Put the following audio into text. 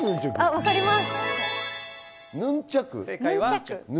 分かります。